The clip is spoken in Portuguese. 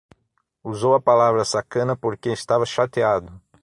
Usou a palavra sacana porque estava chateado